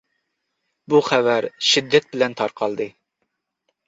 بۇ خەۋەر شىددەت بىلەن تارقالدى،